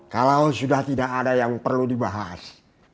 kalau sudah tidak ada yang perlu dibahas